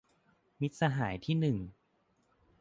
มิตรสหายที่หนึ่ง